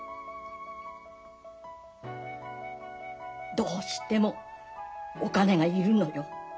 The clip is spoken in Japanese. どうしてもお金が要るのよ。